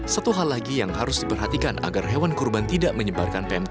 satu hal lagi yang harus diperhatikan agar hewan kurban tidak menyebarkan pmk